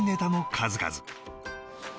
数々